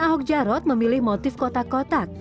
pasangan ahok jarod memilih motif kotak kotak